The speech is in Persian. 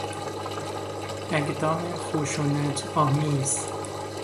اقدام خشونت آمیز